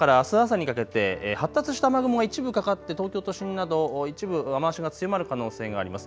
今夜からあす朝にかけて発達した雨雲が一部かかって東京都心など一部、雨足が強まる可能性があります。